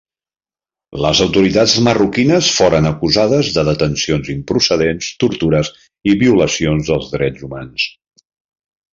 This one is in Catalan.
Les autoritats marroquines foren acusades de detencions improcedents, tortures i violacions dels drets humans.